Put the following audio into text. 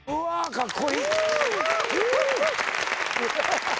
かっこいい。